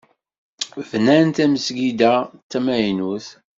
Bnan tamesgida d tamaynut.